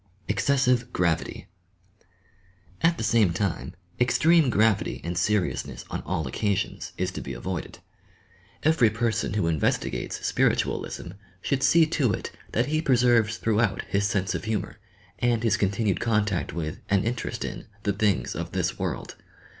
EXCESSIVE GRAVITT At the same time, estreme gravity and seriousness on all occasions is to be avoided. Everj person who "HARMONIOUS CONDITIONS luvestigates spirilualisia should see to it that he pre serves throughout his sense of humour, and his continued contact with, and interest in, the things of this world.